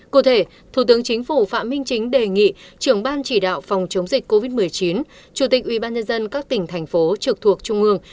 cụ thể thủ tướng chính phủ phạm minh chính đề nghị trưởng ban chỉ đạo phòng chống dịch covid một mươi chín chủ tịch ubnd các tỉnh thành phố trực thuộc trung ương